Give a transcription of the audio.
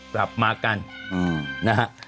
กลับมากันนะฮะ